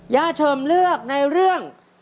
เชิมเลือกในเรื่อง